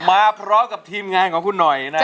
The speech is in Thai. มาพร้อมกับทีมงานของคุณหน่อยนะครับ